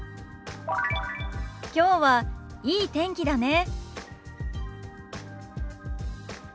きょうはいい天気だね。